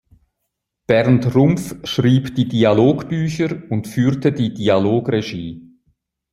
Bernd Rumpf schrieb die Dialogbücher und führte die Dialogregie.